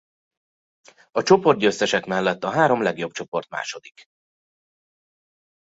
A csoportgyőztesek mellett a három legjobb csoport második.